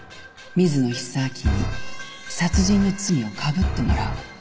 水野久明に殺人の罪をかぶってもらうの。